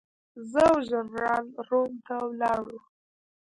زه او جنرال روم ته ولاړو.